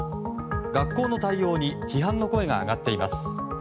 学校の対応に批判の声が上がっています。